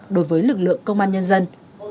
đối với lực lượng công an nhân dân